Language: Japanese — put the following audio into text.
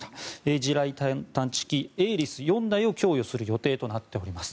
地雷探知機ＡＬＩＳ４台を供与する予定となっております。